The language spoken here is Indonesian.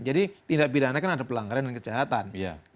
jadi tindak bidangnya kan ada pelanggaran dan kejahatan